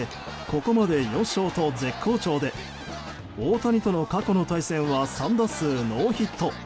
ここまで４勝と絶好調で大谷との過去の対戦は３打数ノーヒット。